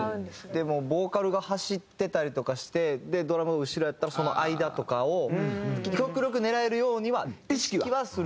でもボーカルが走ってたりとかしてドラムが後ろやったらその間とかを極力狙えるようには意識はするようには。